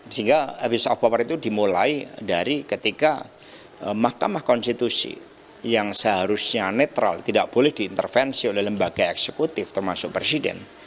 sehingga abuse of power itu dimulai dari ketika mahkamah konstitusi yang seharusnya netral tidak boleh diintervensi oleh lembaga eksekutif termasuk presiden